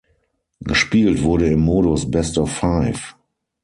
Gespielt wurde im Modus "Best of five".